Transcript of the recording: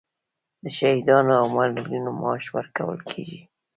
د شهیدانو او معلولینو معاش ورکول کیږي؟